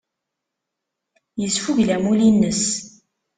Yesfugel amulli-nnes.